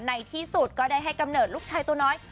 ในที่สุดก็ได้ให้กำเนิดลูกชายตัวน้อย